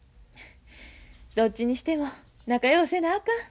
どっちにしても仲ようせなあかん。